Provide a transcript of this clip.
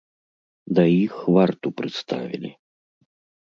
Да іх варту прыставілі.